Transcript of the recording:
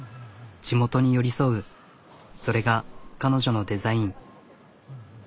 地元に寄り添うそれが彼女のデザイン。